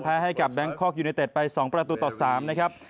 ให้กับแบงคอกยูเนเต็ดไป๒ประตูต่อ๓นะครับ